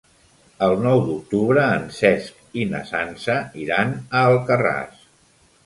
El nou d'octubre en Cesc i na Sança iran a Alcarràs.